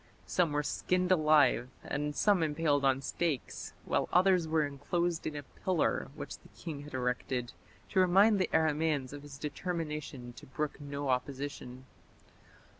Some were skinned alive and some impaled on stakes, while others were enclosed in a pillar which the king had erected to remind the Aramaeans of his determination to brook no opposition.